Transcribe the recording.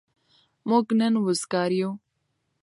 موږ نن وزگار يو.